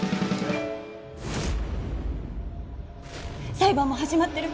裁判も始まってる。